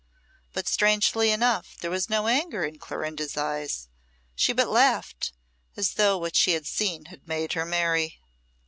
But strangely enough, there was no anger in Clorinda's eyes; she but laughed, as though what she had seen had made her merry.